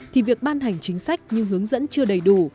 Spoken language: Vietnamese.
thì việc ban hành chính sách như hướng dẫn chưa đầy đủ